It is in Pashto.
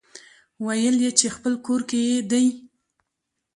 ويل يې چې خپل کور يې دی.